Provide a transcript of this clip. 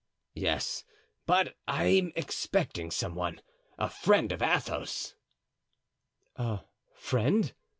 "Yes; but I am expecting some one, a friend of Athos." "A friend!"